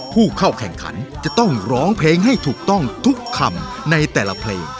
ผู้เข้าแข่งขันจะต้องร้องเพลงให้ถูกต้องทุกคำในแต่ละเพลง